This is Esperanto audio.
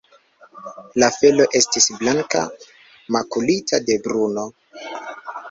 La felo estis blanka, makulita de bruno.